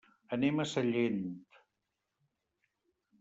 Anem a Sallent.